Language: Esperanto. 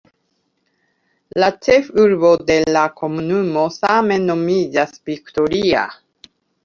La ĉefurbo de la komunumo same nomiĝas "Victoria".